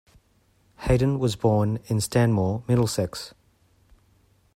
Hayden was born in Stanmore, Middlesex.